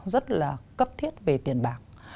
và cấp thiết về tiền bạc